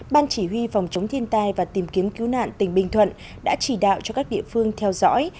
ban chỉ huy phòng chống thiên tai và tìm kiếm cứu nạn tỉnh bình thuận đã chỉ đạo cho các địa phương theo dõi